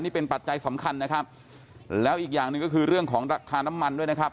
นี่เป็นปัจจัยสำคัญนะครับแล้วอีกอย่างหนึ่งก็คือเรื่องของราคาน้ำมันด้วยนะครับ